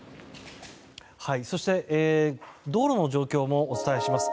そして、道路の状況もお伝えします。